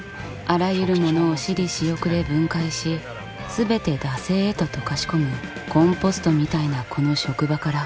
あらゆるものを私利私欲で分解し全て惰性へと溶かし込むコンポストみたいなこの職場から。